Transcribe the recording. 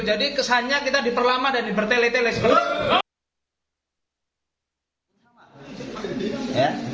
jadi kesannya kita diperlama dan dibertele tele